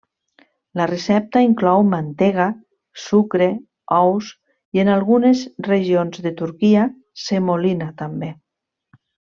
La recepta inclou mantega, sucre, ous, i en algunes regions de Turquia semolina també.